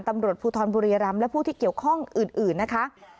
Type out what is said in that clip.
ตำรวจภูทรบุรีรำและผู้ที่เกี่ยวข้องอื่นนะคะ